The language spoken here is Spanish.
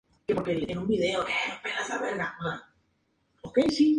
Entre ambas forman un área metropolitana de dos millones y medio de personas.